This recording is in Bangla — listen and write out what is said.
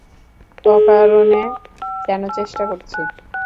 অকারণে কেন চেষ্টা করছি?